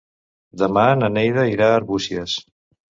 Demà na Neida irà a Arbúcies.